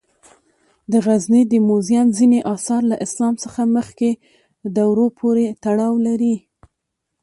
د غزني د موزیم ځینې آثار له اسلام څخه مخکې دورو پورې تړاو لري.